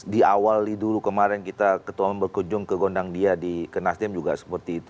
di awal dulu kemarin kita ketua berkunjung ke gondang dia di ke nasdem juga seperti itu